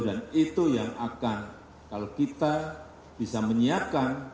dan itu yang akan kalau kita bisa menyiapkan